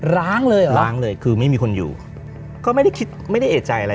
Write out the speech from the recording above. ล้างเลยเหรอล้างเลยคือไม่มีคนอยู่ก็ไม่ได้คิดไม่ได้เอกใจอะไร